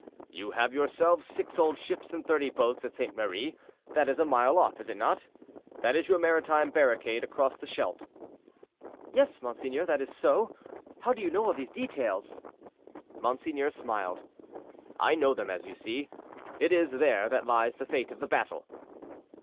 "You have yourselves six old ships and thirty boats at St. Marie; that is a mile off, is it not? That is your maritime barricade across the Scheldt." "Yes, monseigneur, that is so. How do you know all these details?" Monseigneur smiled. "I know them, as you see; it is there that lies the fate of the battle."